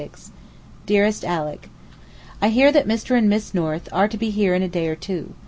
DEAREST ALICK, I hear that Mr. and Miss North are to be here in a day or two.